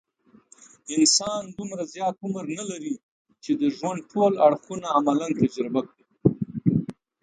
انسان دومره زیات عمر نه لري، چې د ژوند ټول اړخونه عملاً تجربه کړي.